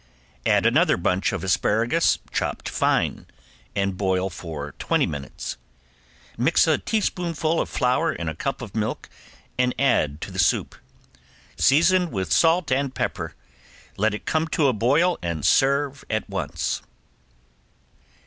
Add another bunch of asparagus, chopped fine, and boil for twenty minutes, mix a tablespoonful of flour in a cup of milk and add to the soup. Season with salt and pepper, let it come to a boil, and serve at once.